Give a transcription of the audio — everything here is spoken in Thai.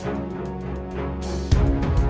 ก็เป็นที่สุด